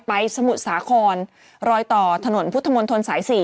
ไปสมุดสาครรอยต่อถนนพุธมนต์ธน๔